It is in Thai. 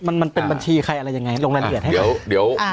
มันเป็นบัญชีใครอะไรยังไงลงรายละเอียดให้